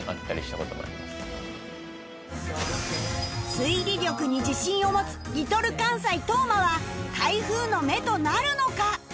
推理力に自信を持つ Ｌｉｌ かんさい當間は台風の目となるのか！？